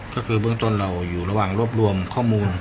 ก็คือเบื้องต้นเราอยู่ระหว่างรวบรวมข้อมูล